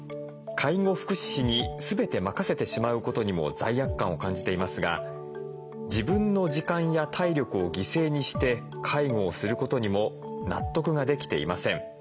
介護福祉士に全て任せてしまうことにも罪悪感を感じていますが自分の時間や体力を犠牲にして介護をすることにも納得ができていません。